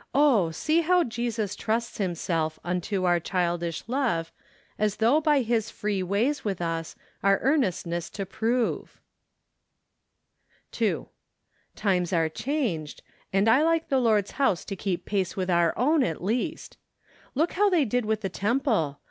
" Oh ! see hate Jesus trusts himself Unto our childish love , As though by his free ways with us , Our earnestness to prove." 2. " Times are changed, and I like the Lord's house to keep pace with our own, at least. Look how they did with the Temple.